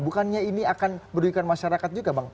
bukannya ini akan merujukan masyarakat juga